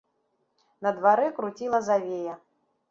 На дварэ круціла завея.